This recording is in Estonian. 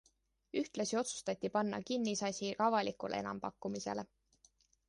Ühtlasi otsustati panna kinnisasi avalikule enampakkumisele.